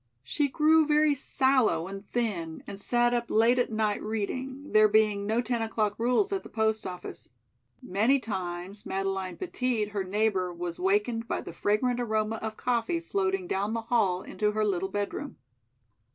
She grew very sallow and thin, and sat up late at night reading, there being no ten o'clock rules at the post office. Many times Madeleine Petit, her neighbor, was wakened by the fragrant aroma of coffee floating down the hall into her little bedroom.